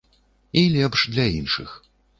І лепш для іншых.